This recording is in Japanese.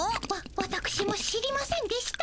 わわたくしも知りませんでした。